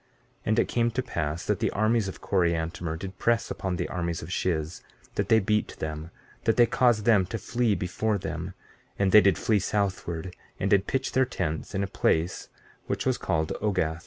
15:10 And it came to pass that the armies of Coriantumr did press upon the armies of Shiz that they beat them, that they caused them to flee before them; and they did flee southward, and did pitch their tents in a place which was called Ogath.